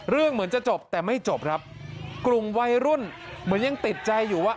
เหมือนจะจบแต่ไม่จบครับกลุ่มวัยรุ่นเหมือนยังติดใจอยู่ว่า